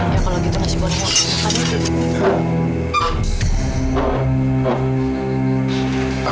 ya kalau gitu nasi gorengnya aku makan